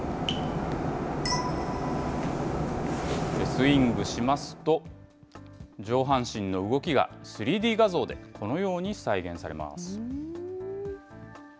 スイングしますと、上半身の動きが３Ｄ画像でこのように再現されます。